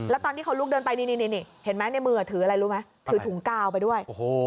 แล้วตอนที่เขาลุกเดินไปนี่เห็นไหมในมือถืออะไรรู้ไหมถือถุงกาวไปด้วย